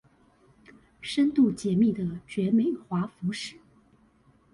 深度解密的絕美華服史